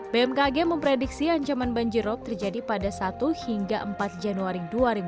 bmkg memprediksi ancaman banjirop terjadi pada satu hingga empat januari dua ribu dua puluh